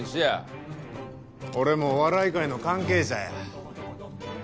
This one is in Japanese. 俺もお笑い界の関係者や。